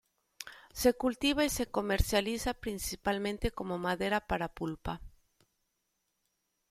Se cultiva y se comercializa principalmente como madera para pulpa.